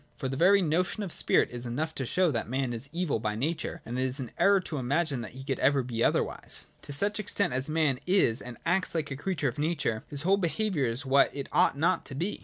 For the very notion of spirit is enough to show that man is evil by nature, and it is an error to imagine that he could ever be otherwise. To such extent as man is and acts like a creature of nature, his whole be haviour is what it ought not to be.